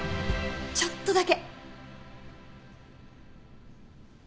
ちょっとだけ。